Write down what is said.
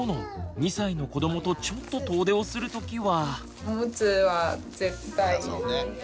２歳の子どもとちょっと遠出をする時は。